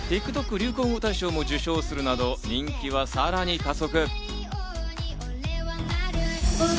流行語大賞も受賞するなど、人気はさらに加速。